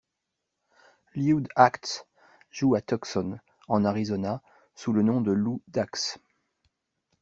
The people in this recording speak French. Lewd Acts joue à Tucson, en Arizona, sous le nom de Lou Dax.